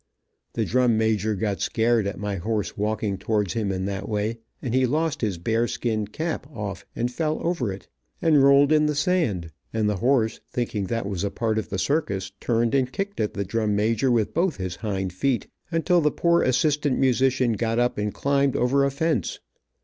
The drum major got scared at my horse walking towards him in that way, and he lost his bear skin cap off and fell over it, and rolled in the sand, and the horse, thinking that was a part of the circus turned and kicked at the drum major with both his hind feet, until the poor assistant musician got up and climbed over a fence.